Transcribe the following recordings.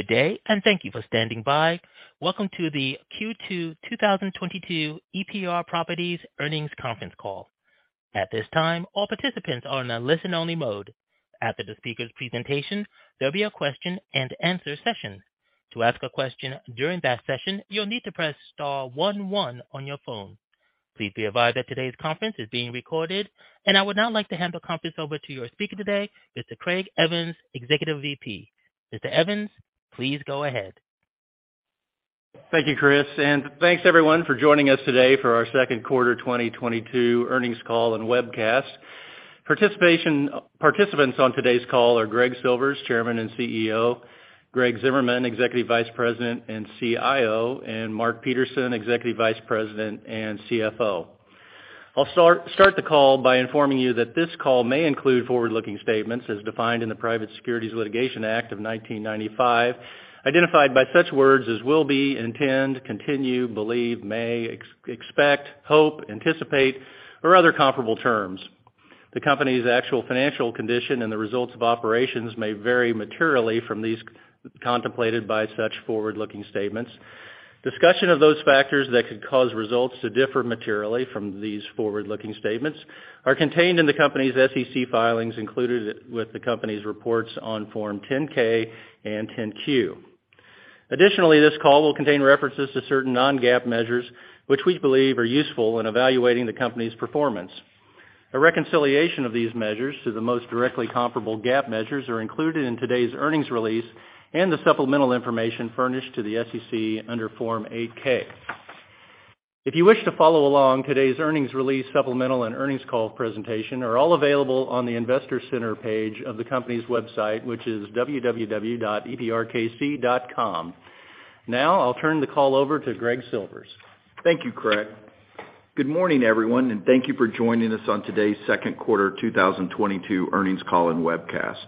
Good day, and thank you for standing by. Welcome to the Q2 2022 EPR Properties Earnings Conference Call. At this time, all participants are in a listen-only mode. After the speaker's presentation, there'll be a question-and-answer session. To ask a question during that session, you'll need to press star one one on your phone. Please be advised that today's conference is being recorded. I would now like to hand the conference over to your speaker today, Mr. Craig Evans, Executive VP. Mr. Evans, please go ahead. Thank you, Chris, and thanks everyone, for joining us today for our Second Quarter 2022 Earnings Call and Webcast. Participants on today's call are Greg Silvers, Chairman and CEO, Greg Zimmerman, Executive Vice President and CIO, and Mark Peterson, Executive Vice President and CFO. I'll start the call by informing you that this call may include forward-looking statements as defined in the Private Securities Litigation Reform Act of 1995, identified by such words as will be, intend, continue, believe, may, expect, hope, anticipate, or other comparable terms. The company's actual financial condition and the results of operations may vary materially from these contemplated by such forward-looking statements. Discussion of those factors that could cause results to differ materially from these forward-looking statements are contained in the company's SEC filings included with the company's reports on Form 10-K and 10-Q. Additionally, this call will contain references to certain non-GAAP measures which we believe are useful in evaluating the company's performance. A reconciliation of these measures to the most directly comparable GAAP measures are included in today's earnings release and the supplemental information furnished to the SEC under Form 8-K. If you wish to follow along, today's earnings release supplemental and earnings call presentation are all available on the investor center page of the company's website, which is www.eprkc.com. Now, I'll turn the call over to Greg Silvers. Thank you, Craig. Good morning, everyone, and thank you for joining us on today's Second Quarter 2022 Earnings Call and Webcast.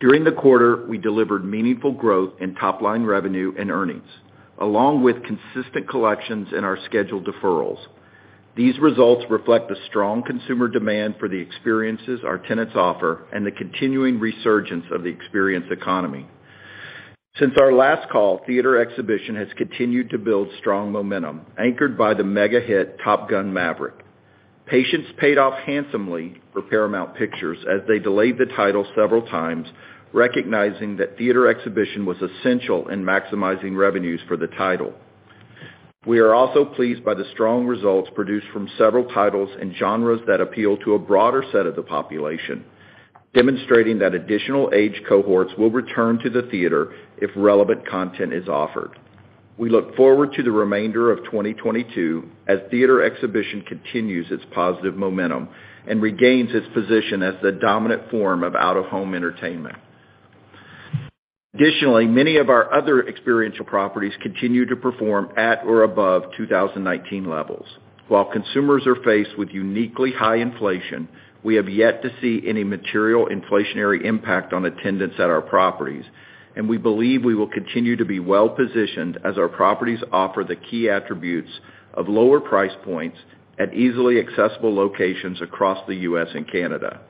During the quarter, we delivered meaningful growth in top-line revenue and earnings, along with consistent collections in our scheduled deferrals. These results reflect the strong consumer demand for the experiences our tenants offer and the continuing resurgence of the experience economy. Since our last call, theater exhibition has continued to build strong momentum, anchored by the mega hit Top Gun: Maverick. Patience paid off handsomely for Paramount Pictures as they delayed the title several times, recognizing that theater exhibition was essential in maximizing revenues for the title. We are also pleased by the strong results produced from several titles and genres that appeal to a broader set of the population, demonstrating that additional age cohorts will return to the theater if relevant content is offered. We look forward to the remainder of 2022 as theater exhibition continues its positive momentum and regains its position as the dominant form of out-of-home entertainment. Additionally, many of our other experiential properties continue to perform at or above 2019 levels. While consumers are faced with uniquely high inflation, we have yet to see any material inflationary impact on attendance at our properties, and we believe we will continue to be well positioned as our properties offer the key attributes of lower price points at easily accessible locations across the U.S. and Canada.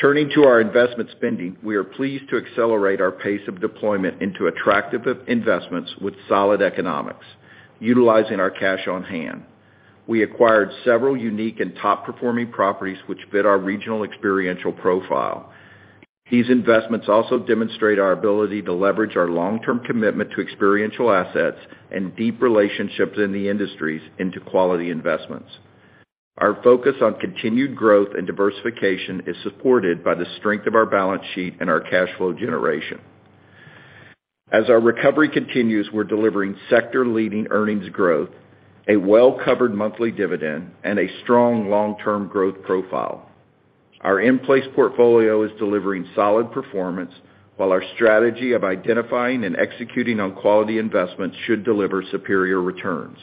Turning to our investment spending, we are pleased to accelerate our pace of deployment into attractive investments with solid economics, utilizing our cash on hand. We acquired several unique and top-performing properties which fit our regional experiential profile. These investments also demonstrate our ability to leverage our long-term commitment to experiential assets and deep relationships in the industries into quality investments. Our focus on continued growth and diversification is supported by the strength of our balance sheet and our cash flow generation. As our recovery continues, we're delivering sector-leading earnings growth, a well-covered monthly dividend, and a strong long-term growth profile. Our in-place portfolio is delivering solid performance, while our strategy of identifying and executing on quality investments should deliver superior returns.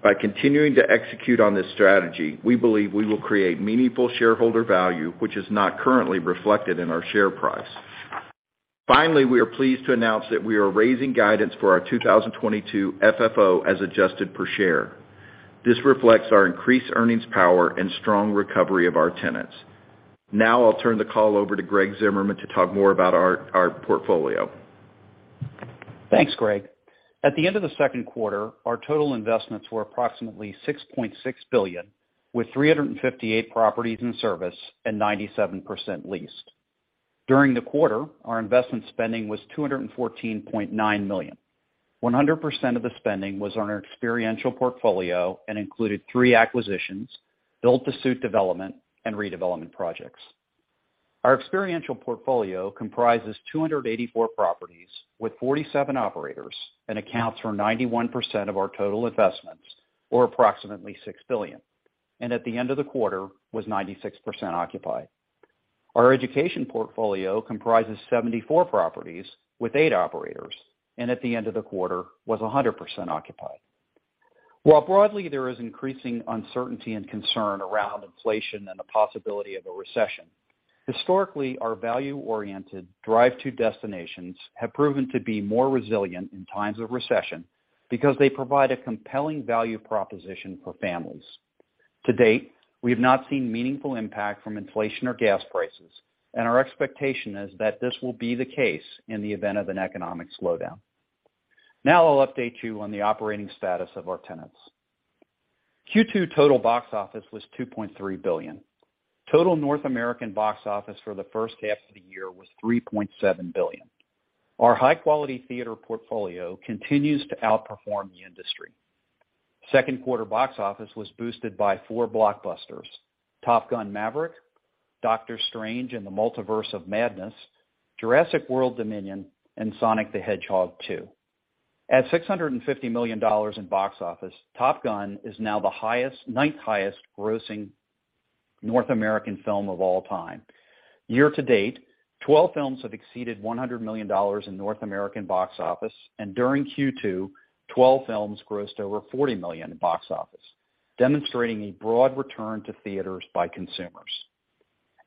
By continuing to execute on this strategy, we believe we will create meaningful shareholder value, which is not currently reflected in our share price. Finally, we are pleased to announce that we are raising guidance for our 2022 FFO as adjusted per share. This reflects our increased earnings power and strong recovery of our tenants. Now, I'll turn the call over to Greg Zimmerman to talk more about our portfolio. Thanks, Greg. At the end of the second quarter, our total investments were approximately $6.6 billion, with 358 properties in service and 97% leased. During the quarter, our investment spending was $214.9 million. 100% of the spending was on our experiential portfolio and included three acquisitions, built-to-suit development, and redevelopment projects. Our experiential portfolio comprises 284 properties with 47 operators and accounts for 91% of our total investments, or approximately $6 billion, and at the end of the quarter was 96% occupied. Our education portfolio comprises 74 properties with eight operators, and at the end of the quarter was 100% occupied. While broadly, there is increasing uncertainty and concern around inflation and the possibility of a recession, historically, our value-oriented drive to destinations have proven to be more resilient in times of recession because they provide a compelling value proposition for families. To date, we have not seen meaningful impact from inflation or gas prices, and our expectation is that this will be the case in the event of an economic slowdown. Now I'll update you on the operating status of our tenants. Q2 total box office was $2.3 billion. Total North American box office for the first half of the year was $3.7 billion. Our high-quality theater portfolio continues to outperform the industry. Second quarter box office was boosted by four blockbusters, Top Gun: Maverick, Doctor Strange in the Multiverse of Madness, Jurassic World Dominion, and Sonic the Hedgehog 2. At $650 million in box office, Top Gun: Maverick is now the ninth-highest grossing North American film of all time. Year-to-date, 12 films have exceeded $100 million in North American box office, and during Q2, 12 films grossed over $40 million in box office, demonstrating a broad return to theaters by consumers.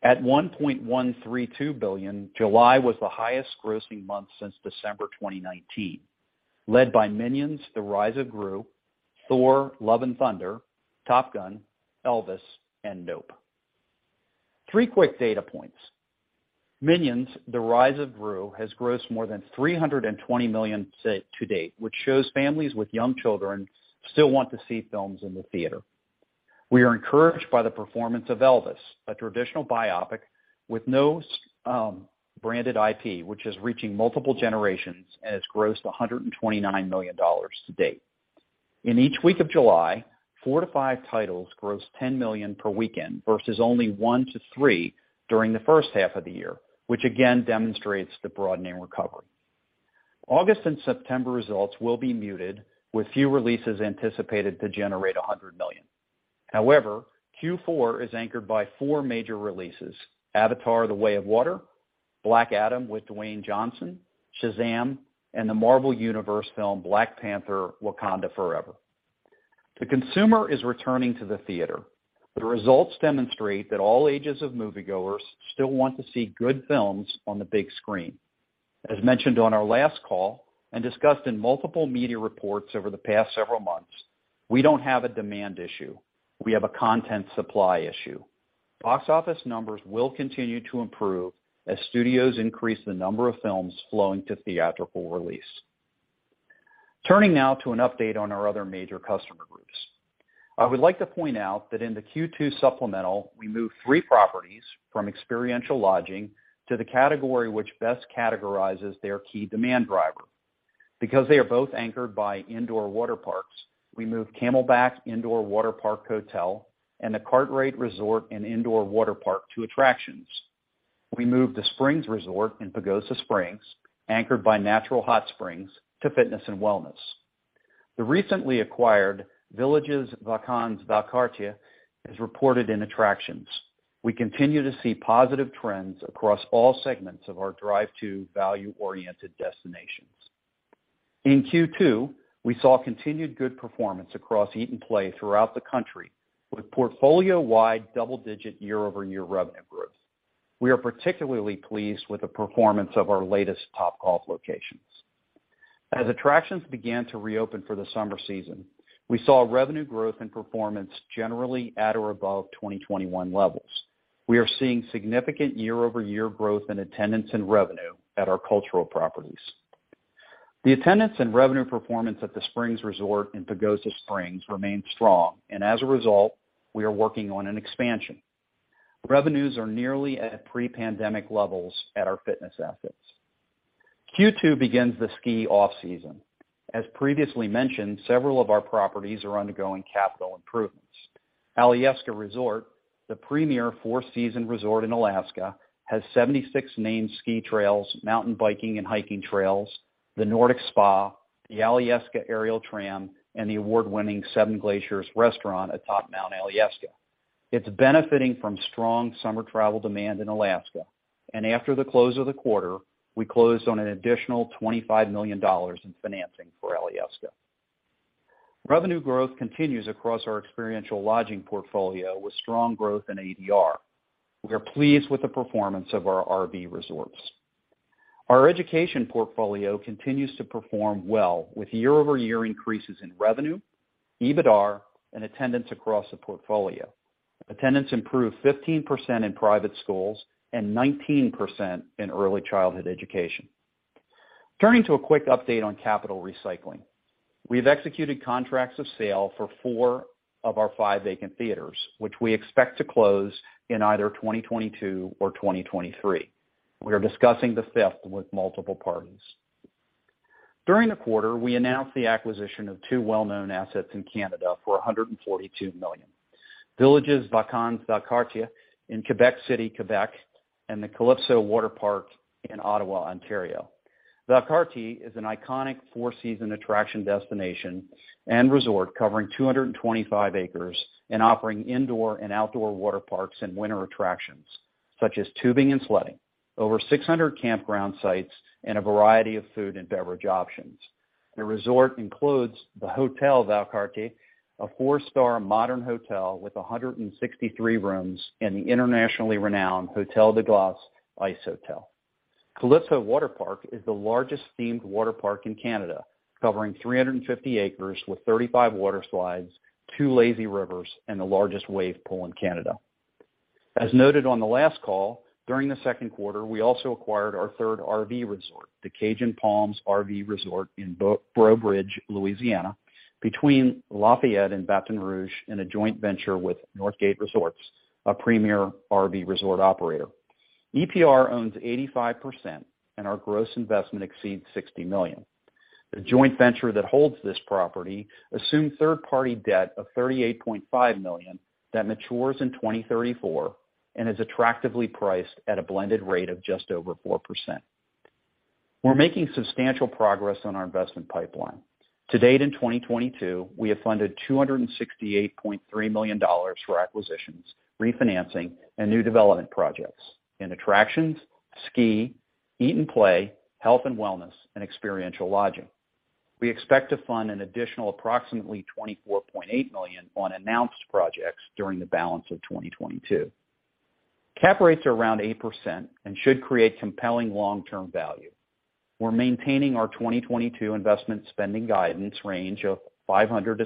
At $1.132 billion, July was the highest-grossing month since December 2019, led by Minions: The Rise of Gru, Thor: Love and Thunder, Top Gun, Elvis, and Nope. Three quick data points. Minions: The Rise of Gru has grossed more than $320 million to date, which shows families with young children still want to see films in the theater. We are encouraged by the performance of Elvis, a traditional biopic with no branded IP, which is reaching multiple generations as it grossed $129 million to date. In each week of July, 4-5 titles grossed $10 million per weekend versus only 1-3 during the first half of the year, which again demonstrates the broadening recovery. August and September results will be muted, with few releases anticipated to generate $100 million. However, Q4 is anchored by four major releases, Avatar: The Way of Water, Black Adam with Dwayne Johnson, Shazam, and the Marvel Universe film, Black Panther: Wakanda Forever. The consumer is returning to the theater. The results demonstrate that all ages of moviegoers still want to see good films on the big screen. As mentioned on our last call and discussed in multiple media reports over the past several months, we don't have a demand issue. We have a content supply issue. Box office numbers will continue to improve as studios increase the number of films flowing to theatrical release. Turning now to an update on our other major customer groups. I would like to point out that in the Q2 supplemental, we moved three properties from experiential lodging to the category which best categorizes their key demand driver. Because they are both anchored by indoor water parks, we moved Camelback Indoor Waterpark Hotel and The Kartrite Resort & Indoor Waterpark to attractions. We moved The Springs Resort & Spa in Pagosa Springs, anchored by natural hot springs, to fitness and wellness. The recently acquired Village Vacances Valcartier is reported in attractions. We continue to see positive trends across all segments of our drive to value-oriented destinations. In Q2, we saw continued good performance across Eat & Play throughout the country, with portfolio-wide double-digit year-over-year revenue growth. We are particularly pleased with the performance of our latest Topgolf locations. As attractions began to reopen for the summer season, we saw revenue growth and performance generally at or above 2021 levels. We are seeing significant year-over-year growth in attendance and revenue at our cultural properties. The attendance and revenue performance at The Springs Resort in Pagosa Springs remains strong, and as a result, we are working on an expansion. Revenues are nearly at pre-pandemic levels at our fitness assets. Q2 begins the ski off-season. As previously mentioned, several of our properties are undergoing capital improvements. Alyeska Resort, the premier four-season resort in Alaska, has 76 named ski trails, mountain biking and hiking trails, the Nordic Spa, the Alyeska Aerial Tram, and the award-winning Seven Glaciers Restaurant atop Mt. Alyeska. It's benefiting from strong summer travel demand in Alaska, and after the close of the quarter, we closed on an additional $25 million in financing for Alyeska. Revenue growth continues across our experiential lodging portfolio with strong growth in ADR. We are pleased with the performance of our RV resorts. Our education portfolio continues to perform well with year-over-year increases in revenue, EBITDAR, and attendance across the portfolio. Attendance improved 15% in private schools and 19% in early childhood education. Turning to a quick update on capital recycling. We've executed contracts of sale for four of our five vacant theaters, which we expect to close in either 2022 or 2023. We are discussing the fifth with multiple parties. During the quarter, we announced the acquisition of two well-known assets in Canada for 142 million, Village Vacances Valcartier in Quebec City, Quebec, and the Calypso Theme Waterpark in Ottawa, Ontario. Valcartier is an iconic four-season attraction destination and resort covering 225 acres and offering indoor and outdoor water parks and winter attractions such as tubing and sledding, over 600 campground sites, and a variety of food and beverage options. The resort includes the Hôtel Valcartier, a four-star modern hotel with 163 rooms, and the internationally renowned Hôtel de Glace ice hotel. Calypso Theme Waterpark is the largest themed water park in Canada, covering 350 acres with 35 water slides, two lazy rivers, and the largest wave pool in Canada. As noted on the last call, during the second quarter, we also acquired our third RV resort, the Cajun Palms RV Resort in Breaux Bridge, Louisiana, between Lafayette and Baton Rouge in a joint venture with Northgate Resorts, a premier RV resort operator. EPR owns 85%, and our gross investment exceeds $60 million. The joint venture that holds this property assumed third-party debt of $38.5 million that matures in 2034 and is attractively priced at a blended rate of just over 4%. We're making substantial progress on our investment pipeline. To date in 2022, we have funded $268.3 million for acquisitions, refinancing, and new development projects in attractions, ski, Eat & Play, health and wellness, and experiential lodging. We expect to fund an additional approximately $24.8 million on announced projects during the balance of 2022. Cap rates are around 8% and should create compelling long-term value. We're maintaining our 2022 investment spending guidance range of $500 million to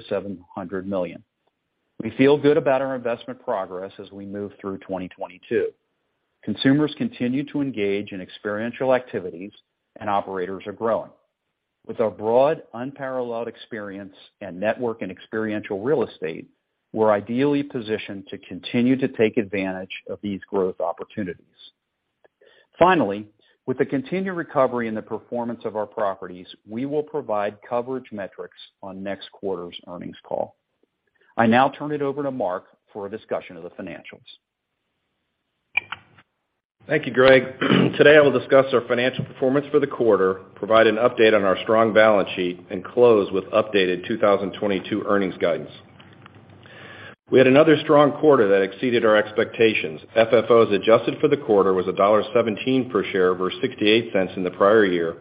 $700 million. We feel good about our investment progress as we move through 2022. Consumers continue to engage in experiential activities and operators are growing. With our broad, unparalleled experience and network in experiential real estate, we're ideally positioned to continue to take advantage of these growth opportunities. Finally, with the continued recovery in the performance of our properties, we will provide coverage metrics on next quarter's earnings call. I now turn it over to Mark for a discussion of the financials. Thank you, Greg. Today, I will discuss our financial performance for the quarter, provide an update on our strong balance sheet, and close with updated 2022 earnings guidance. We had another strong quarter that exceeded our expectations. Adjusted FFO for the quarter was $1.17 per share versus $0.68 in the prior year,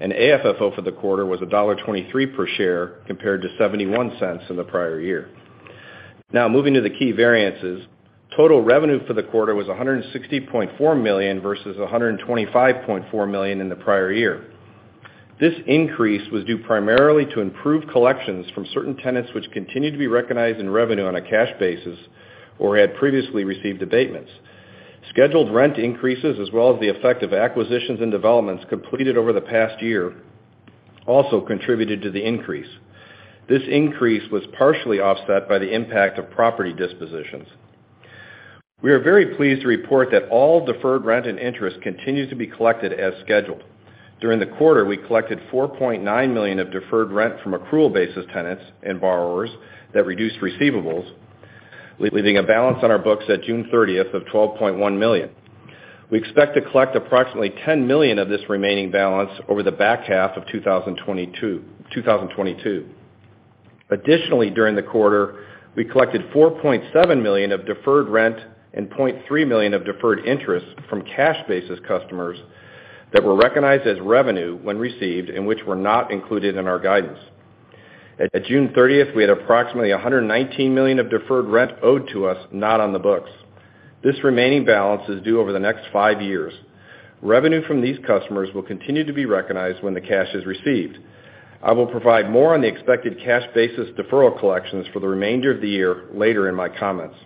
and AFFO for the quarter was $1.23 per share compared to $0.71 in the prior year. Now moving to the key variances, total revenue for the quarter was $160.4 million versus $125.4 million in the prior year. This increase was due primarily to improved collections from certain tenants which continued to be recognized in revenue on a cash basis or had previously received abatements. Scheduled rent increases as well as the effect of acquisitions and developments completed over the past year also contributed to the increase. This increase was partially offset by the impact of property dispositions. We are very pleased to report that all deferred rent and interest continues to be collected as scheduled. During the quarter, we collected $4.9 million of deferred rent from accrual basis tenants and borrowers that reduced receivables, leaving a balance on our books at June 30 of $12.1 million. We expect to collect approximately $10 million of this remaining balance over the back half of 2022. Additionally, during the quarter, we collected $4.7 million of deferred rent and $0.3 million of deferred interest from cash basis customers that were recognized as revenue when received and which were not included in our guidance. At June 30th, we had approximately $119 million of deferred rent owed to us, not on the books. This remaining balance is due over the next 5 years. Revenue from these customers will continue to be recognized when the cash is received. I will provide more on the expected cash basis deferral collections for the remainder of the year later in my comments.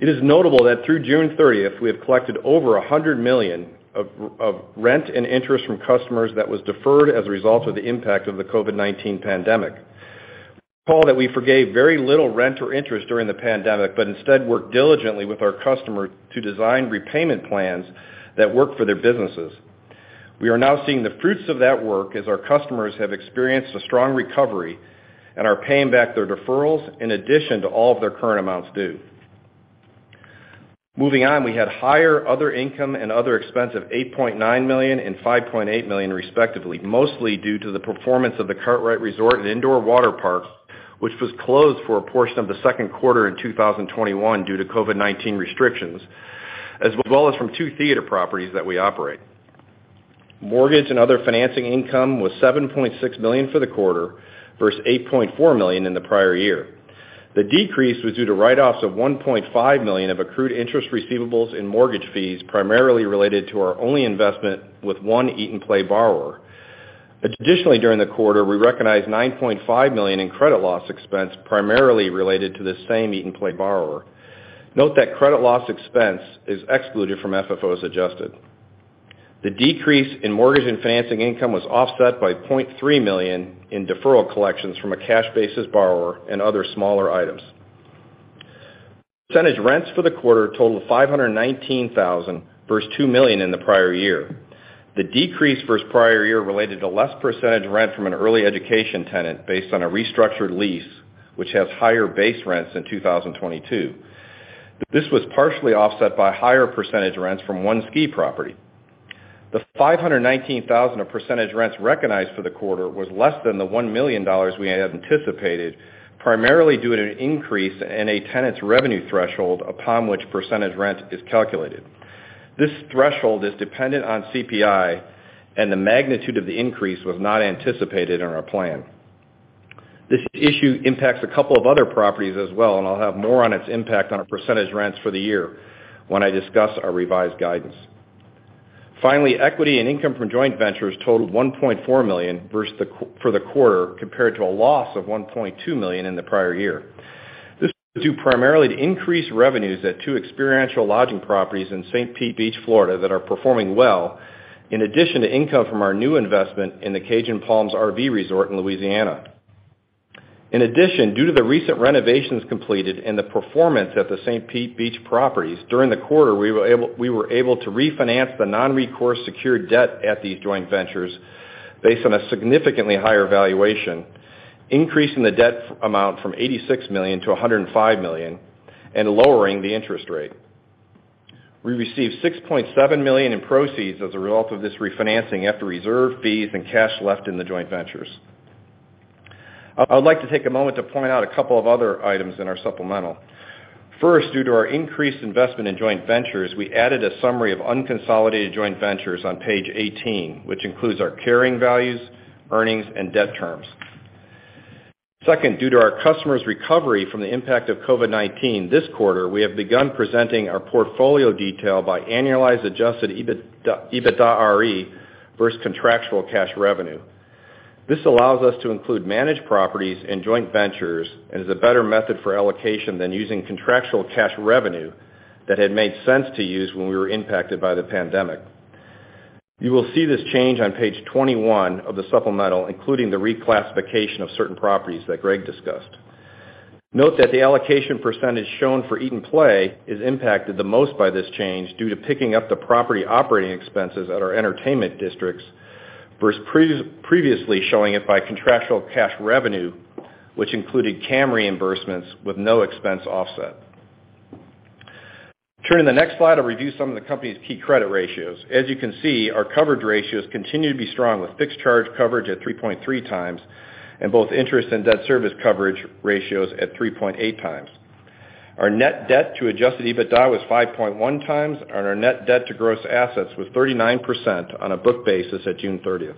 It is notable that through June 30th, we have collected over $100 million of rent and interest from customers that was deferred as a result of the impact of the COVID-19 pandemic. Recall that we forgave very little rent or interest during the pandemic, but instead worked diligently with our customers to design repayment plans that work for their businesses. We are now seeing the fruits of that work as our customers have experienced a strong recovery and are paying back their deferrals in addition to all of their current amounts due. Moving on, we had higher other income and other expense of $8.9 million and $5.8 million respectively, mostly due to the performance of The Kartrite Resort & Indoor Waterpark, which was closed for a portion of the second quarter in 2021 due to COVID-19 restrictions, as well as from two theater properties that we operate. Mortgage and other financing income was $7.6 million for the quarter versus $8.4 million in the prior year. The decrease was due to write-offs of $1.5 million of accrued interest receivables and mortgage fees primarily related to our only investment with one Eat & Play borrower. Additionally, during the quarter, we recognized $9.5 million in credit loss expense primarily related to the same Eat & Play borrower. Note that credit loss expense is excluded from FFO as adjusted. The decrease in mortgage and financing income was offset by $0.3 million in deferral collections from a cash basis borrower and other smaller items. Percentage rents for the quarter totaled $519,000 versus $2 million in the prior year. The decrease versus prior year related to less percentage rent from an early education tenant based on a restructured lease, which has higher base rents in 2022. This was partially offset by higher percentage rents from one ski property. The $519,000 of percentage rents recognized for the quarter was less than the $1 million we had anticipated, primarily due to an increase in a tenant's revenue threshold upon which percentage rent is calculated. This threshold is dependent on CPI, and the magnitude of the increase was not anticipated in our plan. This issue impacts a couple of other properties as well, and I'll have more on its impact on our percentage rents for the year when I discuss our revised guidance. Finally, equity and income from joint ventures totaled $1.4 million for the quarter, compared to a loss of $1.2 million in the prior year. This is due primarily to increased revenues at two experiential lodging properties in St. Pete Beach, Florida that are performing well, in addition to income from our new investment in the Cajun Palms RV Resort in Louisiana. In addition, due to the recent renovations completed and the performance at the St. Pete Beach properties during the quarter, we were able to refinance the non-recourse secured debt at these joint ventures based on a significantly higher valuation, increasing the debt amount from $86 million to $105 million and lowering the interest rate. We received $6.7 million in proceeds as a result of this refinancing after reserve fees and cash left in the joint ventures. I would like to take a moment to point out a couple of other items in our supplemental. First, due to our increased investment in joint ventures, we added a summary of unconsolidated joint ventures on page 18, which includes our carrying values, earnings, and debt terms. Second, due to our customers' recovery from the impact of COVID-19 this quarter, we have begun presenting our portfolio detail by annualized adjusted EBITDARE versus contractual cash revenue. This allows us to include managed properties and joint ventures, and is a better method for allocation than using contractual cash revenue that had made sense to use when we were impacted by the pandemic. You will see this change on page 21 of the supplemental, including the reclassification of certain properties that Greg discussed. Note that the allocation percentage shown for Eat & Play is impacted the most by this change due to picking up the property operating expenses at our entertainment districts, versus previously showing it by contractual cash revenue, which included CAM reimbursements with no expense offset. Turning to the next slide, I'll review some of the company's key credit ratios. As you can see, our coverage ratios continue to be strong, with fixed charge coverage at 3.3x and both interest and debt service coverage ratios at 3.8x. Our net debt to adjusted EBITDA was 5.1x, and our net debt to gross assets was 39% on a book basis at June 30.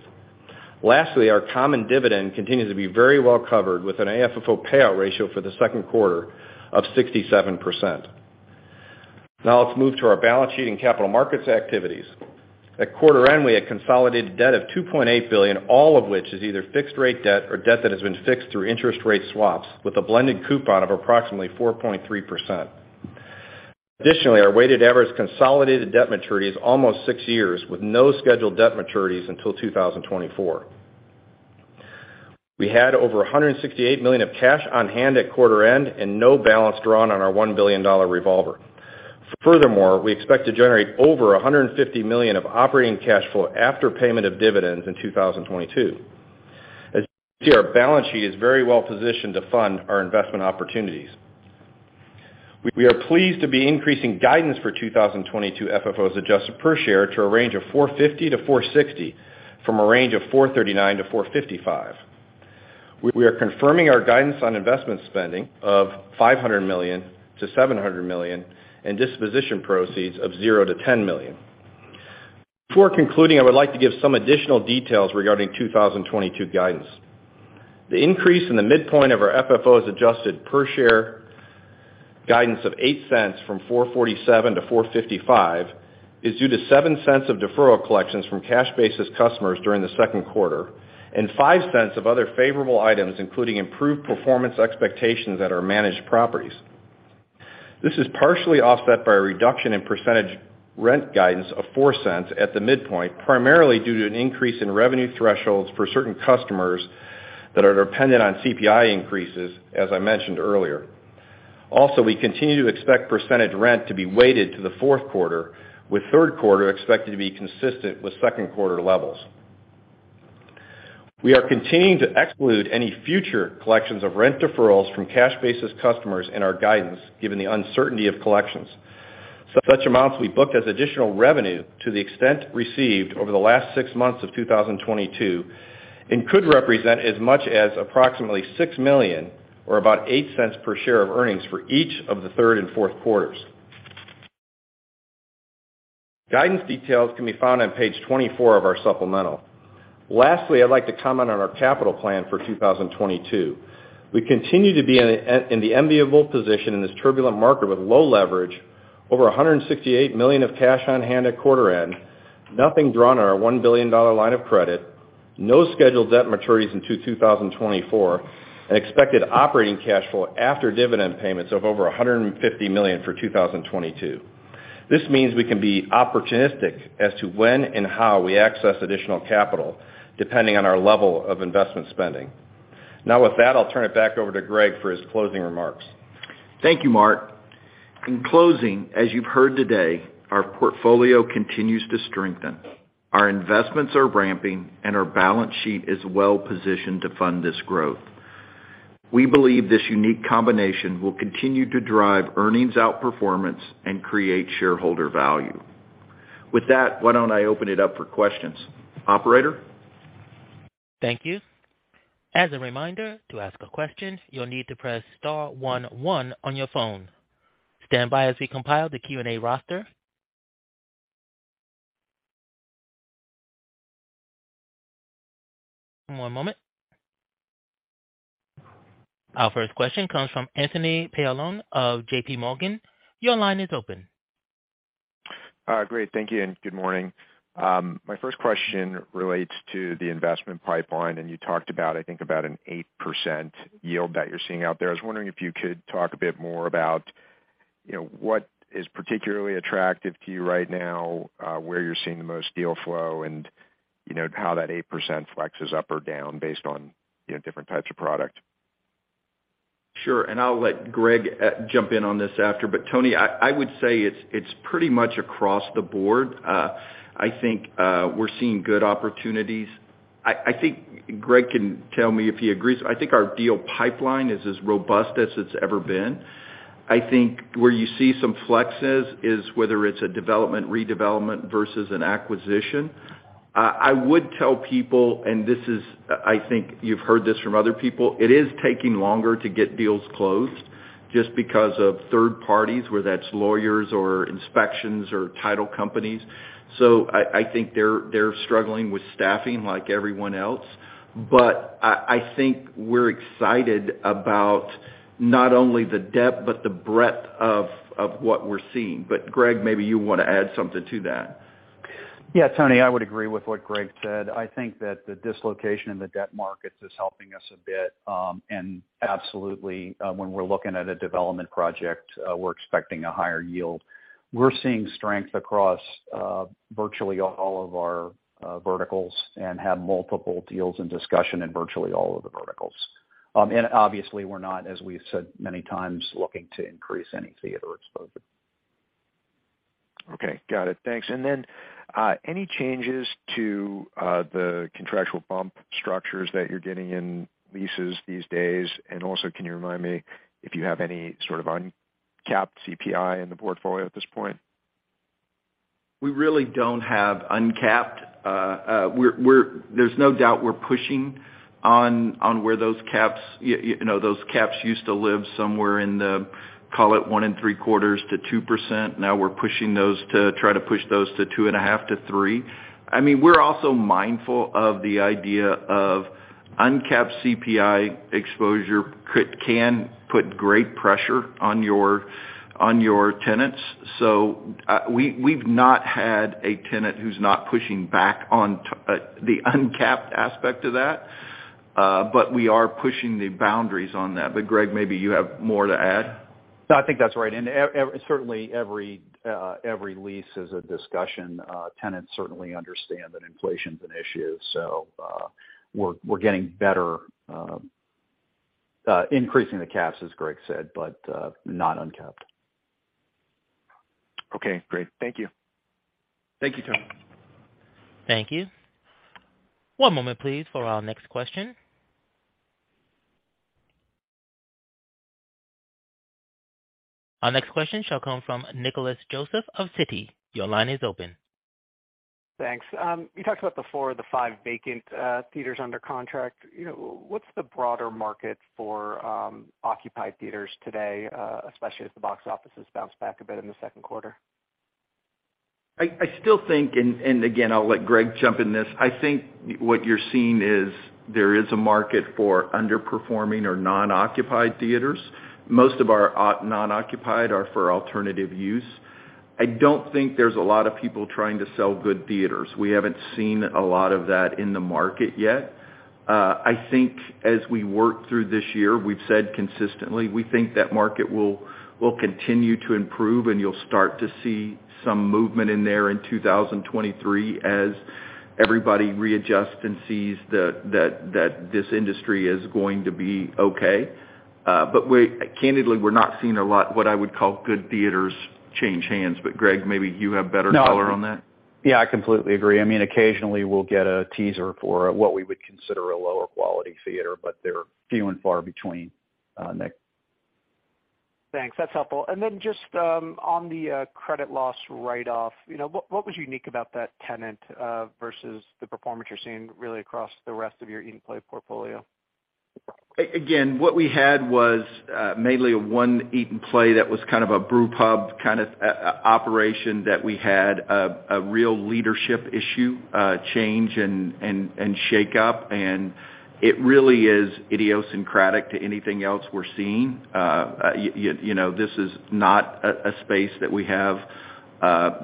Lastly, our common dividend continues to be very well covered with an AFFO payout ratio for the second quarter of 67%. Now let's move to our balance sheet and capital markets activities. At quarter end, we had consolidated debt of $2.8 billion, all of which is either fixed-rate debt or debt that has been fixed through interest rate swaps with a blended coupon of approximately 4.3%. Additionally, our weighted average consolidated debt maturity is almost 6 years, with no scheduled debt maturities until 2024. We had over $168 million of cash on hand at quarter end and no balance drawn on our $1 billion revolver. Furthermore, we expect to generate over $150 million of operating cash flow after payment of dividends in 2022. As you can see, our balance sheet is very well positioned to fund our investment opportunities. We are pleased to be increasing guidance for 2022 adjusted FFO per share to a range of $4.50-$4.60, from a range of $4.39-$4.55. We are confirming our guidance on investment spending of $500 million to $700 million, and disposition proceeds of $0-$10 million. Before concluding, I would like to give some additional details regarding 2022 guidance. The increase in the midpoint of our adjusted FFO per share guidance of $0.08 from $4.47-$4.55 is due to $0.07 of deferral collections from cash basis customers during the second quarter, and $0.05 of other favorable items, including improved performance expectations at our managed properties. This is partially offset by a reduction in percentage rent guidance of $0.04 at the midpoint, primarily due to an increase in revenue thresholds for certain customers that are dependent on CPI increases, as I mentioned earlier. Also, we continue to expect percentage rent to be weighted to the fourth quarter, with third quarter expected to be consistent with second quarter levels. We are continuing to exclude any future collections of rent deferrals from cash basis customers in our guidance, given the uncertainty of collections. Such amounts will be booked as additional revenue to the extent received over the last six months of 2022, and could represent as much as approximately $6 million or about $0.08 per share of earnings for each of the third and fourth quarters. Guidance details can be found on page 24 of our supplemental. Lastly, I'd like to comment on our capital plan for 2022. We continue to be in the enviable position in this turbulent market with low leverage, over $168 million of cash on hand at quarter end, nothing drawn on our $1 billion line of credit, no scheduled debt maturities until 2024, and expected operating cash flow after dividend payments of over $150 million for 2022. This means we can be opportunistic as to when and how we access additional capital, depending on our level of investment spending. Now, with that, I'll turn it back over to Greg for his closing remarks. Thank you, Mark. In closing, as you've heard today, our portfolio continues to strengthen, our investments are ramping, and our balance sheet is well positioned to fund this growth. We believe this unique combination will continue to drive earnings outperformance and create shareholder value. With that, why don't I open it up for questions? Operator? Thank you. As a reminder, to ask a question, you'll need to press star one one on your phone. Stand by as we compile the Q&A roster. One moment. Our first question comes from Anthony Paolone of JPMorgan. Your line is open. Great. Thank you, and good morning. My first question relates to the investment pipeline, and you talked about, I think about an 8% yield that you're seeing out there. I was wondering if you could talk a bit more about what is particularly attractive to you right now, where you're seeing the most deal flow and how that 8% flexes up or down based on different types of product. Sure. I'll let Greg jump in on this after. Tony, I would say it's pretty much across the board. I think we're seeing good opportunities. I think Greg can tell me if he agrees. I think our deal pipeline is as robust as it's ever been. I think where you see some flexes is whether it's a development, redevelopment versus an acquisition. I would tell people, and this is, I think you've heard this from other people, it is taking longer to get deals closed just because of third parties, whether that's lawyers or inspections or title companies. I think they're struggling with staffing like everyone else. I think we're excited about not only the depth but the breadth of what we're seeing. Greg, maybe you wanna add something to that. Tony, I would agree with what Greg said. I think that the dislocation in the debt markets is helping us a bit. Absolutely, when we're looking at a development project, we're expecting a higher yield. We're seeing strength across virtually all of our verticals and have multiple deals in discussion in virtually all of the verticals. Obviously, we're not, as we've said many times, looking to increase any theater exposure. Okay. Got it. Thanks. Any changes to the contractual bump structures that you're getting in leases these days? Can you remind me if you have any sort of uncapped CPI in the portfolio at this point? We really don't have uncapped. There's no doubt we're pushing on where those caps. You know, those caps used to live somewhere in the, call it 1.75%-2%. Now we're pushing those to try to push those to 2.5%-3%. We're also mindful of the idea of uncapped CPI exposure can put great pressure on your tenants. We've not had a tenant who's not pushing back on the uncapped aspect of that, but we are pushing the boundaries on that. Greg, maybe you have more to add. No, I think that's right. Certainly every lease is a discussion. Tenants certainly understand that inflation's an issue. We're getting better, increasing the caps, as Greg said, but not uncapped. Okay, great. Thank you. Thank you, Tony. Thank you. One moment, please, for our next question. Our next question shall come from Nicholas Joseph of Citi. Your line is open. Thanks. You talked about the four of the five vacant theaters under contract. You know, what's the broader market for occupied theaters today, especially as the box office has bounced back a bit in the second quarter? I still think, again, I'll let Greg jump in this. I think what you're seeing is there is a market for underperforming or non-occupied theaters. Most of our non-occupied are for alternative use. I don't think there's a lot of people trying to sell good theaters. We haven't seen a lot of that in the market yet. I think as we work through this year, we've said consistently we think that market will continue to improve and you'll start to see some movement in there in 2023 as everybody readjusts and sees that this industry is going to be okay. Candidly, we're not seeing a lot what I would call good theaters change hands. Greg, maybe you have better color on that. No. Yeah, I completely agree. I mean, occasionally we'll get a teaser for what we would consider a lower quality theater, but they're few and far between, Nick. Thanks. That's helpful. Then just on the credit loss write-off, you know, what was unique about that tenant versus the performance you're seeing really across the rest of your Eat & Play portfolio? Again, what we had was mainly one Eat & Play that was kind of a brewpub kind of operation that we had a real leadership issue, change and shake up. It really is idiosyncratic to anything else we're seeing. You know, this is not a space that we have.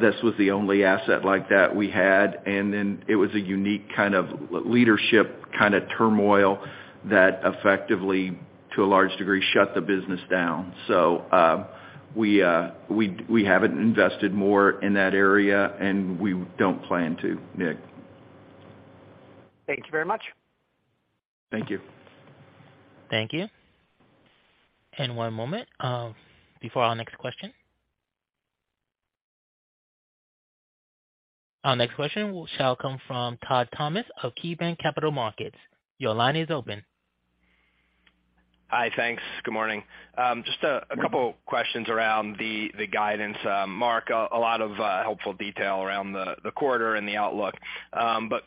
This was the only asset like that we had, and then it was a unique kind of leadership kind of turmoil that effectively, to a large degree, shut the business down. We haven't invested more in that area, and we don't plan to, Nick. Thank you very much. Thank you. Thank you. One moment before our next question. Our next question shall come from Todd Thomas of KeyBanc Capital Markets. Your line is open. Hi. Thanks. Good morning. Just a couple questions around the guidance, Mark, a lot of helpful detail around the quarter and the outlook.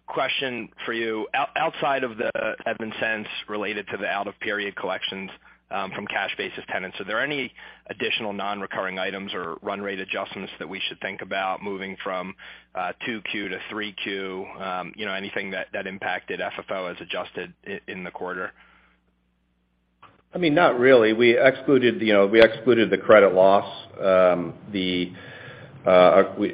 Question for you. Outside of the adjustments related to the out of period collections from cash basis tenants, are there any additional non-recurring items or run rate adjustments that we should think about moving from 2Q to 3Q, you know, anything that impacted FFO as adjusted in the quarter? I mean, not really. We excluded, you know, the credit loss. We,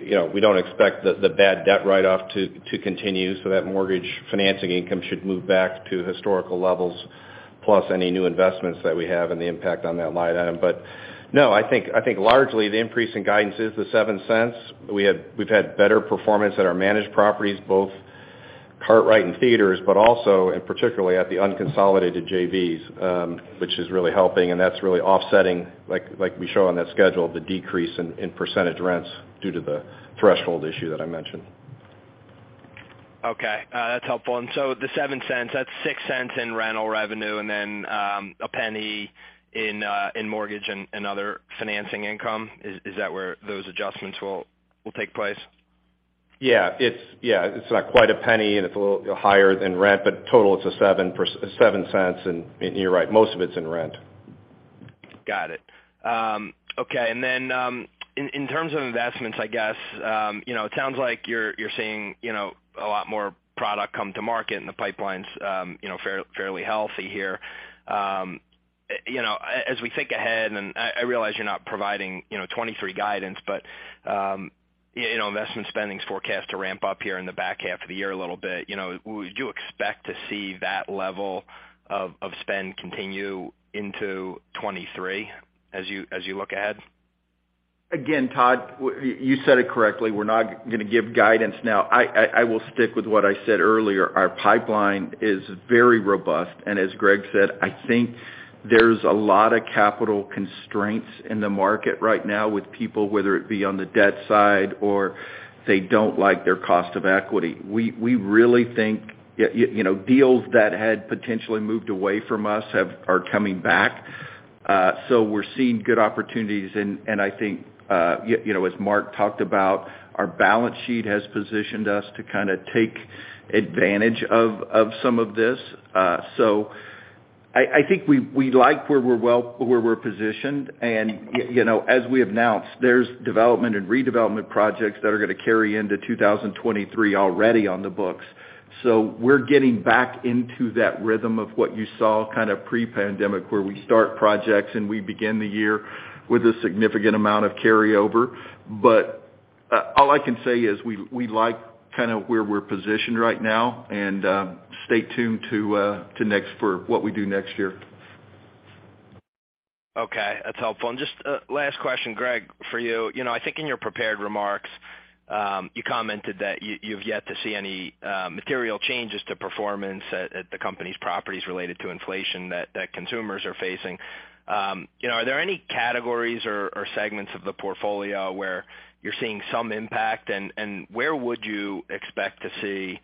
you know, we don't expect the bad debt write-off to continue, so that mortgage financing income should move back to historical levels, plus any new investments that we have and the impact on that line item. No, I think largely the increase in guidance is the $0.07. We've had better performance at our managed properties, both Kartrite and theaters, but also, particularly at the unconsolidated JVs, which is really helping, and that's really offsetting, like we show on that schedule, the decrease in percentage rents due to the threshold issue that I mentioned. Okay, that's helpful. The $0.07, that's $0.06 in rental revenue and then $0.01 in mortgage and other financing income. Is that where those adjustments will take place? It's not quite a penny, and it's a little higher than rent, but total it's $0.07 and you're right, most of it's in rent. Got it. Okay. In terms of investments it sounds like you're seeing, you know, a lot more product come to market and the pipeline's fairly healthy here. As we think ahead, and I realize you're not providing, you know, 2023 guidance, but investment spending's forecast to ramp up here in the back half of the year a little bit. Would you expect to see that level of spend continue into 2023 as you look ahead? Again, Todd, you said it correctly. We're not gonna give guidance now. I will stick with what I said earlier. Our pipeline is very robust, and as Greg said, I think there's a lot of capital constraints in the market right now with people, whether it be on the debt side or they don't like their cost of equity. We really think, you know, deals that had potentially moved away from us are coming back. So we're seeing good opportunities and I think, you know, as Mark talked about, our balance sheet has positioned us to kinda take advantage of some of this. So I think we like where we're positioned. You know, as we announced, there's development and redevelopment projects that are gonna carry into 2023 already on the books. We're getting back into that rhythm of what you saw kind of pre-pandemic, where we start projects, and we begin the year with a significant amount of carryover. All I can say is we like kinda where we're positioned right now and stay tuned for what we do next year. Okay, that's helpful. Just a last question, Greg, for you. You know, I think in your prepared remarks, you commented that you've yet to see any material changes to performance at the company's properties related to inflation that consumers are facing. You know, are there any categories or segments of the portfolio where you're seeing some impact, and where would you expect to see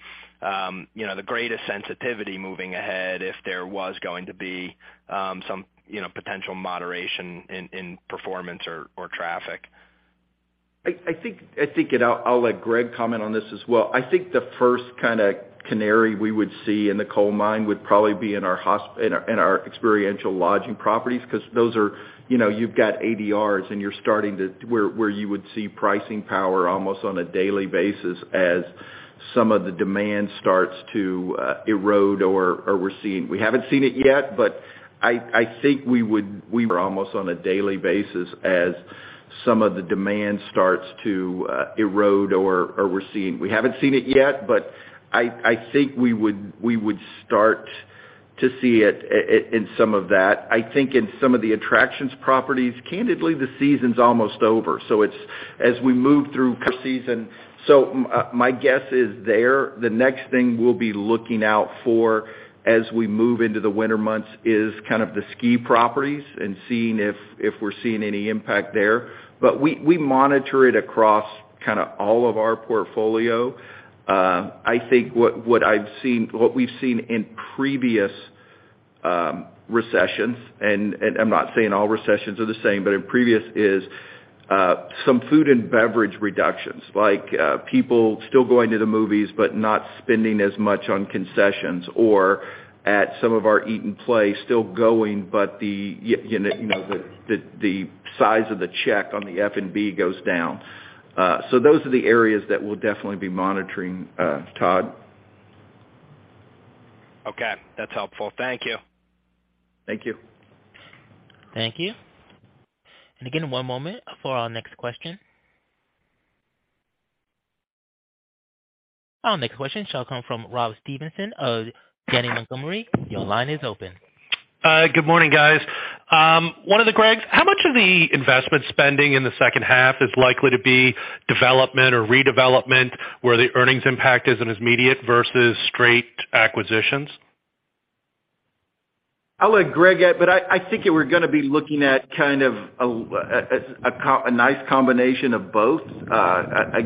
you know, the greatest sensitivity moving ahead if there was going to be some you know, potential moderation in performance or traffic? I think I'll let Greg comment on this as well. I think the first kinda canary we would see in the coal mine would probably be in our experiential lodging properties, 'cause those are, you know, you've got ADRs, and where you would see pricing power almost on a daily basis as some of the demand starts to erode or we're seeing. We haven't seen it yet, but I think we would start to see it in some of that. I think in some of the attractions properties, candidly, the season's almost over, so it's as we move through season. My guess is, the next thing we'll be looking out for as we move into the winter months is kind of the ski properties and seeing if we're seeing any impact there. We monitor it across kind of all of our portfolio. I think what we've seen in previous recessions, and I'm not saying all recessions are the same, but in previous is some food and beverage reductions, like people still going to the movies but not spending as much on concessions or at some of our Eat & Play still going, but you know, the size of the check on the F&B goes down. Those are the areas that we'll definitely be monitoring, Todd. Okay, that's helpful. Thank you. Thank you. Thank you. Again, one moment for our next question. Our next question shall come from Rob Stevenson of Janney Montgomery. Your line is open. Good morning, guys. One of the Gregs, how much of the investment spending in the second half is likely to be development or redevelopment where the earnings impact isn't as immediate versus straight acquisitions? I'll let Greg add, but I think that we're gonna be looking at kind of a nice combination of both. As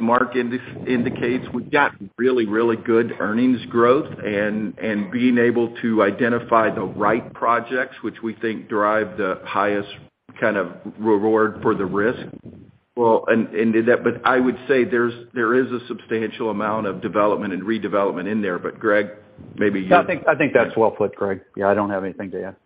Mark indicates, we've got really good earnings growth and being able to identify the right projects, which we think derive the highest kind of reward for the risk. I would say there is a substantial amount of development and redevelopment in there, but Greg, maybe you- No, I think that's well put, Greg. I don't have anything to add.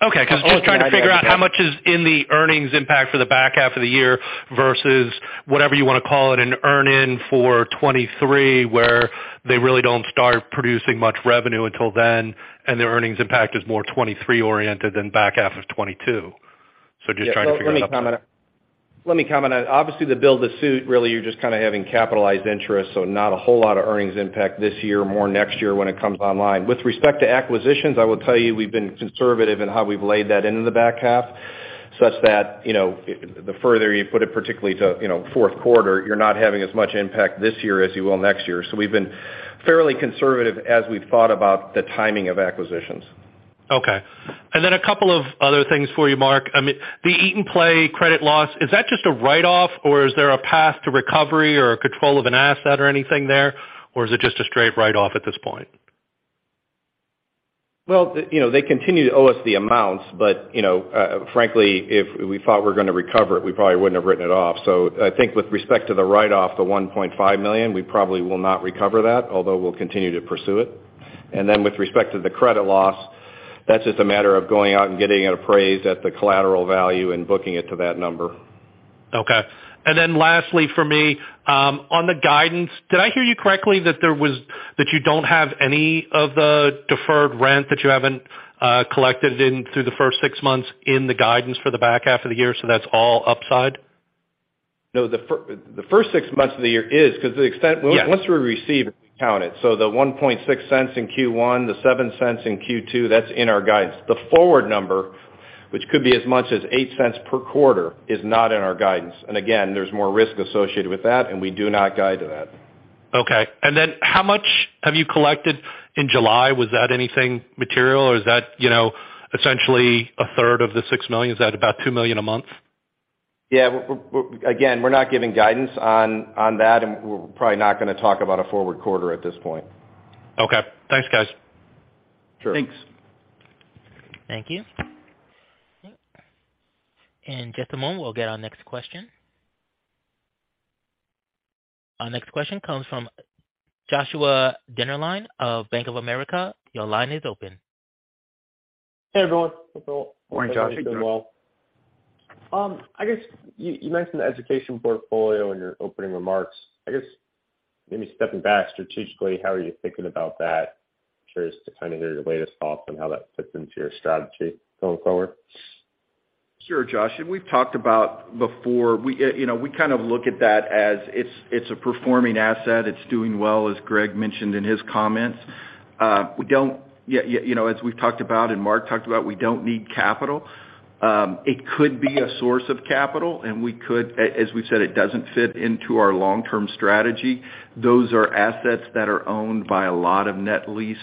Because I'm just trying to figure out how much is in the earnings impact for the back half of the year versus whatever you wanna call it, an earn-in for 2023, where they really don't start producing much revenue until then, and their earnings impact is more 2023 oriented than back half of 2022. Just trying to figure that out. Let me comment. Obviously, the build-to-suit, really, you're just having capitalized interest, so not a whole lot of earnings impact this year, more next year when it comes online. With respect to acquisitions, I will tell you, we've been conservative in how we've laid that into the back half such that the further you put it, particularly to fourth quarter, you're not having as much impact this year as you will next year. We've been fairly conservative as we've thought about the timing of acquisitions. Okay. A couple of other things for you, Mark. The Eat & Play credit loss, is that just a write-off, or is there a path to recovery or a control of an asset or anything there, or is it just a straight write-off at this point? Well, you know, they continue to owe us the amounts, but, frankly, if we thought we're gonna recover it, we probably wouldn't have written it off. I think with respect to the write-off, the $1.5 million, we probably will not recover that, although we'll continue to pursue it. With respect to the credit loss, that's just a matter of going out and getting it appraised at the collateral value and booking it to that number. Okay. Lastly for me, on the guidance, did I hear you correctly that you don't have any of the deferred rent that you haven't collected in through the first six months in the guidance for the back half of the year, so that's all upside? No. The first six months of the year is 'cause the extent- Yes. Once we receive it, we count it. The $0.016 in Q1, the $0.07 in Q2, that's in our guidance. The forward number, which could be as much as $0.08 per quarter, is not in our guidance. Again, there's more risk associated with that, and we do not guide to that. Okay. How much have you collected in July? Was that anything material, or is that essentially a third of the $6 million? Is that about $2 million a month? YAgain, we're not giving guidance on that, and we're probably not gonna talk about a forward quarter at this point. Okay. Thanks, guys. Sure. Thanks. Thank you. In just a moment, we'll get our next question. Our next question comes from Joshua Dennerlein of Bank of America. Your line is open. Hey, everyone. Morning, Josh. Hope you're doing well. I guess you mentioned the education portfolio in your opening remarks. I guess maybe stepping back strategically, how are you thinking about that? I'm curious to kind of hear your latest thoughts on how that fits into your strategy going forward. Sure, Josh, we've talked about before we look at that as it's a performing asset. It's doing well, as Greg mentioned in his comments. We don't yet. As we've talked about and Mark talked about, we don't need capital. It could be a source of capital, as we said, it doesn't fit into our long-term strategy. Those are assets that are owned by a lot of net lease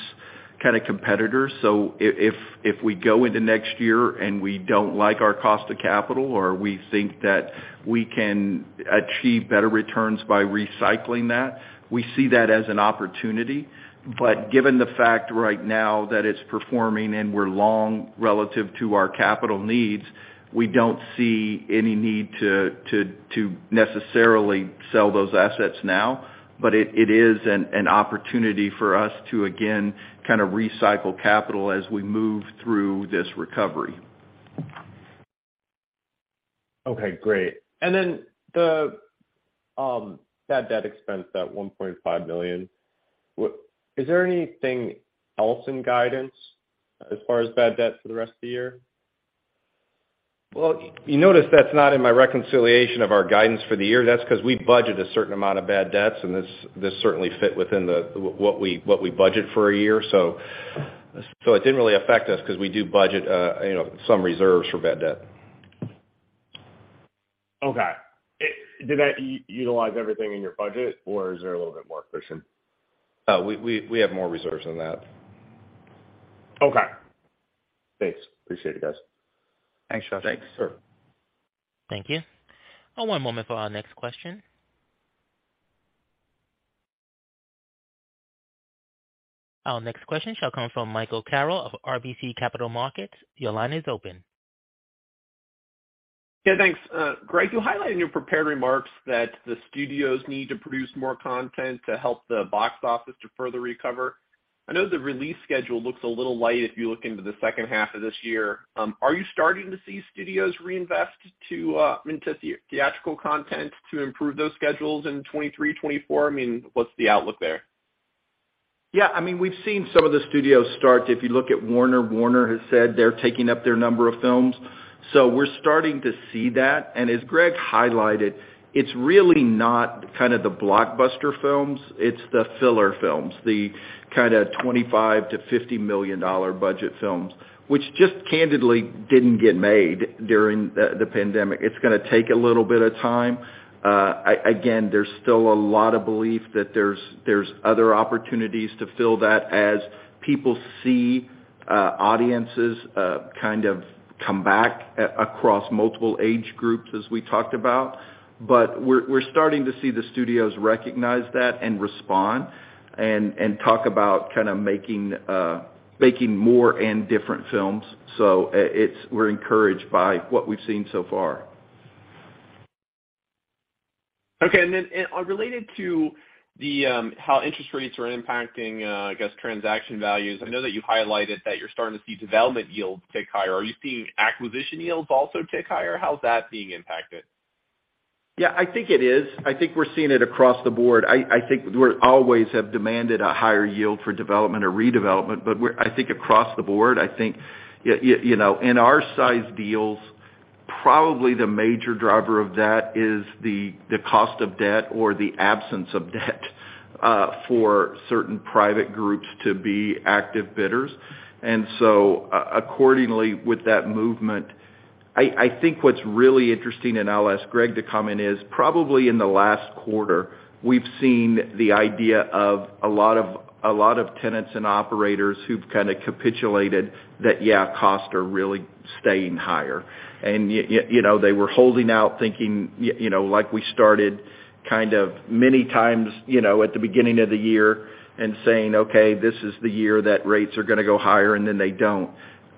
kinda competitors. If we go into next year and we don't like our cost of capital, or we think that we can achieve better returns by recycling that, we see that as an opportunity. Given the fact right now that it's performing and we're long relative to our capital needs, we don't see any need to necessarily sell those assets now. It is an opportunity for us to, again, recycle capital as we move through this recovery. The bad debt expense, that $1.5 million, is there anything else in guidance as far as bad debt for the rest of the year? Well, you notice that's not in my reconciliation of our guidance for the year. That's 'cause we budget a certain amount of bad debts, and this certainly fit within the what we budget for a year. It didn't really affect us 'cause we do budget some reserves for bad debt. Okay. Did that utilize everything in your budget, or is there a little bit more cushion? We have more reserves than that. Okay. Thanks. Appreciate it, guys. Thanks, Josh. Sure. Thank you. One moment for our next question. Our next question shall come from Michael Carroll of RBC Capital Markets. Your line is open. Thanks. Greg, you highlighted in your prepared remarks that the studios need to produce more content to help the box office to further recover. I know the release schedule looks a little light if you look into the second half of this year. Are you starting to see studios reinvest into theatrical content to improve those schedules in 2023, 2024? I mean, what's the outlook there? We've seen some of the studios start. If you look at Warner Bros., Warner Bros. has said they're taking up their number of films. We're starting to see that, and as Greg highlighted, it's really not kind of the blockbuster films, it's the filler films, the $25 million to $50 million budget films, which just candidly didn't get made during the pandemic. It's gonna take a little bit of time. Again, there's still a lot of belief that there's other opportunities to fill that as people see audiences kind of come back across multiple age groups as we talked about. We're starting to see the studios recognize that and respond and talk about kinda making more and different films. We're encouraged by what we've seen so far. Okay. Related to how interest rates are impacting, I guess, transaction values, I know that you highlighted that you're starting to see development yields tick higher. Are you seeing acquisition yields also tick higher? How's that being impacted? I think it is. I think we're seeing it across the board. I think we always have demanded a higher yield for development or redevelopment, but I think across the board. I think you know, in our size deals, probably the major driver of that is the cost of debt or the absence of debt for certain private groups to be active bidders. Accordingly with that movement, I think what's really interesting, and I'll ask Greg to comment, is probably in the last quarter, we've seen a lot of tenants and operators who've capitulated that costs are really staying higher. They were holding out thinking, you know, like we started kind of many times, you know, at the beginning of the year and saying, "Okay, this is the year that rates are gonna go higher," and then they don't.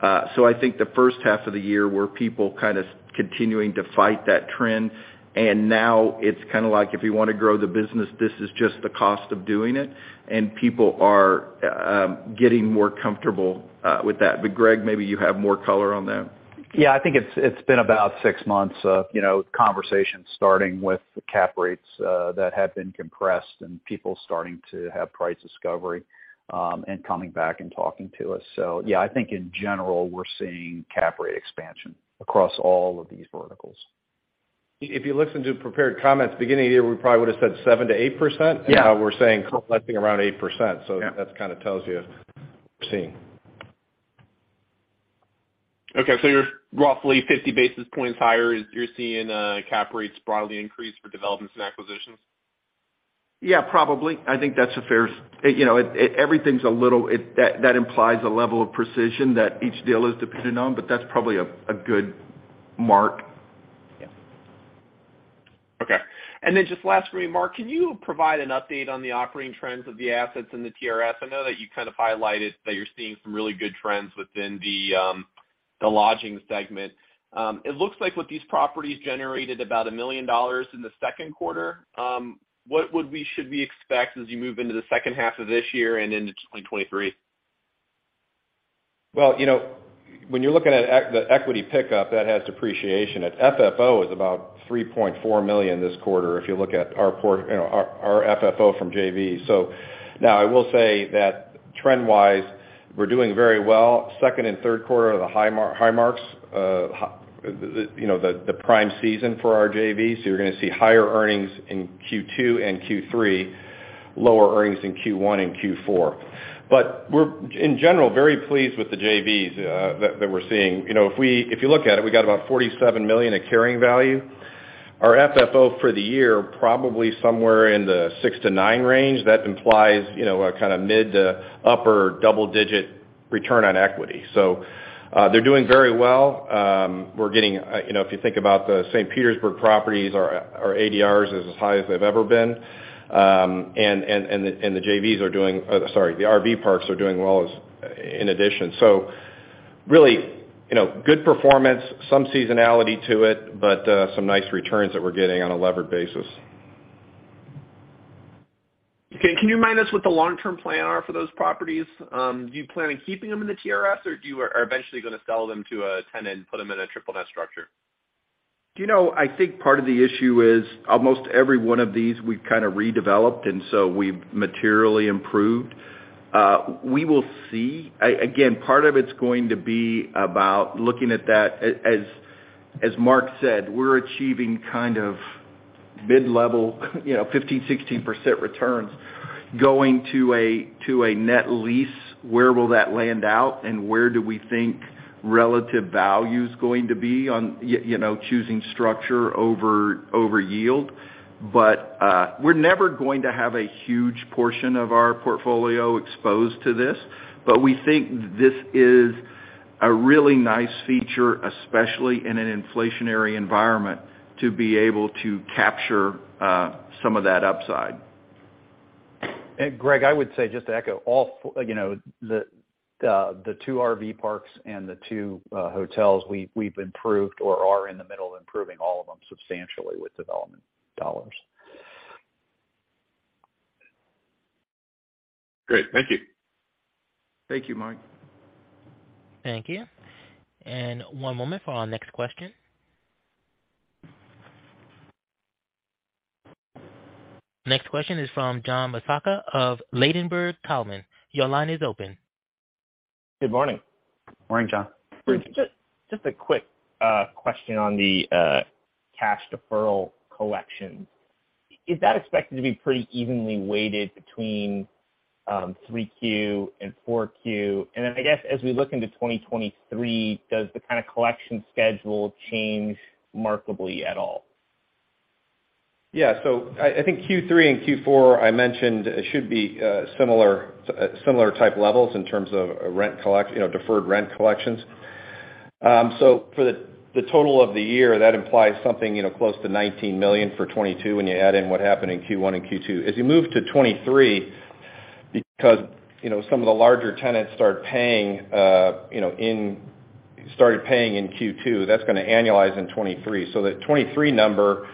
I think the first half of the year were people kind of continuing to fight that trend, and now it's like, if you wanna grow the business, this is just the cost of doing it, and people are getting more comfortable with that. Greg, maybe you have more color on that. It's been about six months of, you know, conversations starting with the cap rates that have been compressed and people starting to have price discovery and coming back and talking to us. I think in general, we're seeing cap rate expansion across all of these verticals. If you listen to prepared comments, beginning of the year we probably would've said 7%-8%. Now we're saying collecting around 8%. That tells you what we're seeing. You're roughly 50 basis points higher, you're seeing cap rates broadly increase for developments and acquisitions? Probably. I think that's a fair everything's a little, that implies a level of precision that each deal is dependent on, but that's probably a good mark. Okay. Just last for me, Mark, can you provide an update on the operating trends of the assets in the TRS? I know that you kind of highlighted that you're seeing some really good trends within the lodging segment. It looks like what these properties generated about $1 million in the second quarter. Should we expect as you move into the second half of this year and into 2023? Well, when you're looking at the equity pickup, that has depreciation. Our FFO is about $3.4 million this quarter, if you look at our portfolio our FFO from JV. Now I will say that trend-wise, we're doing very well. Second and third quarter are the high marks, you know, the prime season for our JVs, so you're gonna see higher earnings in Q2 and Q3, lower earnings in Q1 and Q4. We're, in general, very pleased with the JVs, that we're seeing. You know, if you look at it, we got about $47 million of carrying value. Our FFO for the year, probably somewhere in the $6 million to $9 million range. That implies a mid to upper double digit return on equity. They're doing very well. We're getting you know, if you think about the St. Petersburg properties or ADRs as high as they've ever been. The RV parks are doing well in addition. Really you know, good performance, some seasonality to it, but some nice returns that we're getting on a levered basis. Okay. Can you remind us what the long-term plans are for those properties? Do you plan on keeping them in the TRSs, or eventually gonna sell them to a tenant, put them in a triple net structure? I think part of the issue is almost every one of these we've redeveloped and so we've materially improved. We will see. Again, part of it's going to be about looking at that. As Mark said, we're achieving kind of mid-level 15%-16% returns. Going to a net lease, where will that land out and where do we think relative value's going to be on, you know, choosing structure over yield? We're never going to have a huge portion of our portfolio exposed to this, but we think this is a really nice feature, especially in an inflationary environment, to be able to capture some of that upside. Greg, I would say, just to echo, all four, you know, the two RV parks and the two hotels, we've improved or are in the middle of improving all of them substantially with development dollars. Great. Thank you. Thank you, Mark. Thank you. One moment for our next question. Next question is from John Massocca of Ladenburg Thalmann. Your line is open. Good morning. Morning, John. Just a quick question on the cash deferral collection. Is that expected to be pretty evenly weighted between 3Q and 4Q? I guess, as we look into 2023, does the collection schedule change markedly at all? I think Q3 and Q4, I mentioned, should be similar type levels in terms of deferred rent collections. For the total of the year, that implies something, you know, close to $19 million for 2022 when you add in what happened in Q1 and Q2. As you move to 2023, because, you know, some of the larger tenants started paying in Q2, that's gonna annualize in 2023. The 2023 number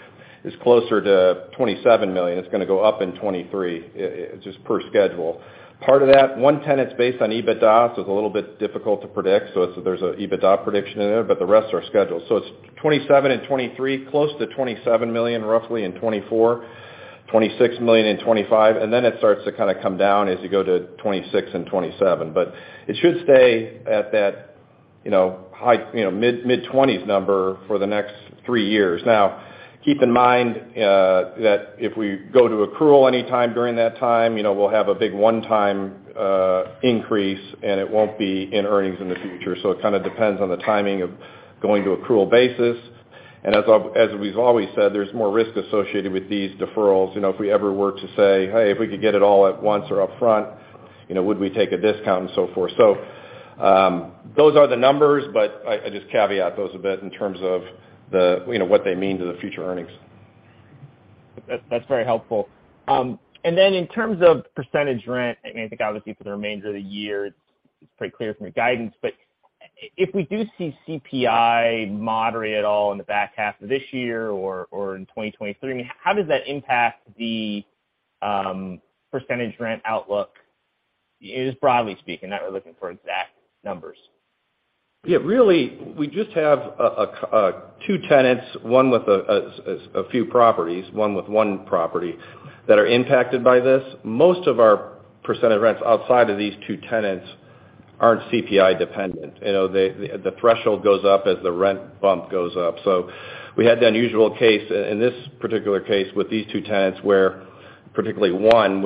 is closer to $27 million. It's gonna go up in 2023, just per schedule. Part of that, one tenant's based on EBITDA, so it's a little bit difficult to predict. There's an EBITDA prediction in there, but the rest are scheduled. It's 27 in 2023, close to $27 million roughly in 2024, $26 million in 2025, and then it starts to kinda come down as you go to 2026 and 2027. It should stay at that, you know, high, you know, mid-twenties number for the next three years. Keep in mind that if we go to accrual any time during that time, you know, we'll have a big one-time increase, and it won't be in earnings in the future. It kinda depends on the timing of going to accrual basis. As we've always said, there's more risk associated with these deferrals. You know, if we ever were to say, "Hey, if we could get it all at once or upfront, you know, would we take a discount?" and so forth. Those are the numbers, but I just caveat those a bit in terms of the, you know, what they mean to the future earnings. That's very helpful. I mean, I think obviously for the remainder of the year, it's pretty clear from your guidance, but if we do see CPI moderate at all in the back half of this year or in 2023, how does that impact the percentage rent outlook, just broadly speaking? Not really looking for exact numbers. Really, we just have two tenants, one with a few properties, one with one property, that are impacted by this. Most of our percentage rents outside of these two tenants aren't CPI-dependent. You know, the threshold goes up as the rent bump goes up. We had the unusual case in this particular case with these two tenants where particularly one,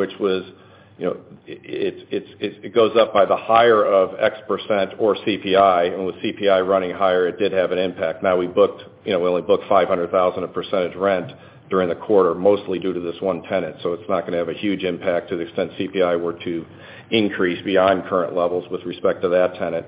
you know, it goes up by the higher of X% or CPI, and with CPI running higher, it did have an impact. Now we booked, you know, we only booked $500,000 of percentage rent during the quarter, mostly due to this one tenant, so it's not gonna have a huge impact to the extent CPI were to increase beyond current levels with respect to that tenant.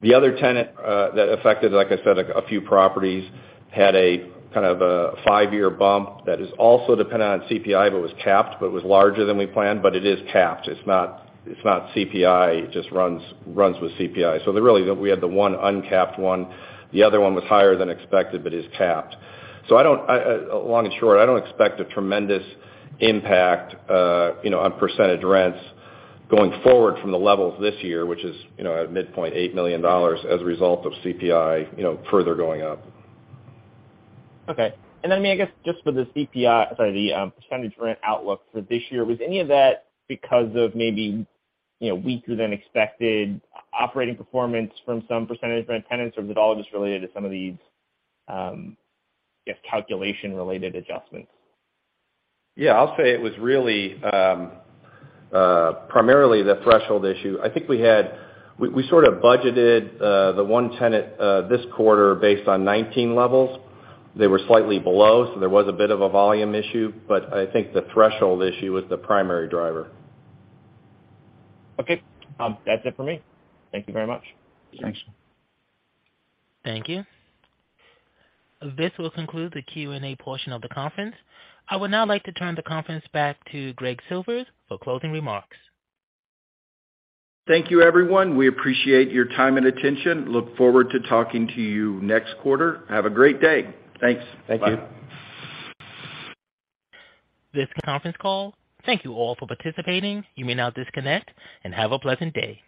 The other tenant that affected, like I said, a few properties, had a kind of a five-year bump that is also dependent on CPI but was capped, but was larger than we planned, but it is capped. It's not CPI, it just runs with CPI. Really, we had the one uncapped one. The other one was higher than expected, but is capped. Long and short, I don't expect a tremendous impact on percentage rents going forward from the levels this year, which is at midpoint $8 million as a result of CPI further going up. Just for the percentage rent outlook for this year, was any of that because of maybe weaker-than-expected operating performance from some percentage rent tenants, or was it all just related to some of these calculation-related adjustments? I'll say it was really primarily the threshold issue. I think we sort of budgeted the one tenant this quarter based on 2019 levels. They were slightly below, so there was a bit of a volume issue, but I think the threshold issue was the primary driver. Okay. That's it for me. Thank you very much. Thanks. Thank you. This will conclude the Q&A portion of the conference. I would now like to turn the conference back to Greg Silvers for closing remarks. Thank you, everyone. We appreciate your time and attention. Look forward to talking to you next quarter. Have a great day. Thanks. Bye. This concludes the conference call, thank you all for participating. You may now disconnect and have a pleasant day.